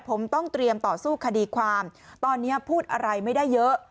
ผมต้องเตรียมต่อสู้คดีความตอนนี้พูดอะไรไม่ได้เยอะ